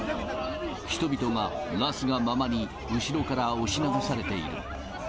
人々がなすがままに後ろから押し流されている。